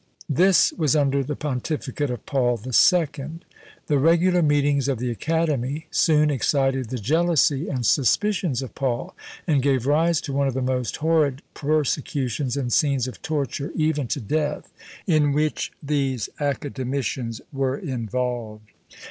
This was under the pontificate of Paul the Second. The regular meetings of "the Academy" soon excited the jealousy and suspicions of Paul, and gave rise to one of the most horrid persecutions and scenes of torture, even to death, in which these academicians were involved.